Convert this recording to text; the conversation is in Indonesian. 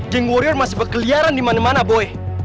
geng warrior masih berkeliaran dimana mana boy